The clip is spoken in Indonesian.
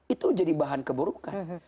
itu jadi bahan keburukan